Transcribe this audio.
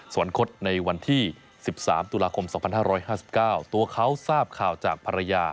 คตในวันที่๑๓ตุลาคม๒๕๕๙ตัวเขาทราบข่าวจากภรรยา